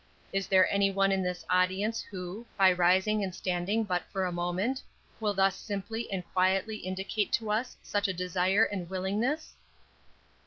Is there one in this audience who, by rising and standing for but a moment, will thus simply and quietly indicate to us such a desire and willingness?"